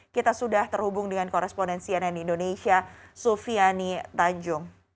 kita sudah terhubung dengan korespondensi ann indonesia sufiani tanjung